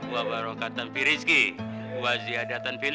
wa barokatan fil jasad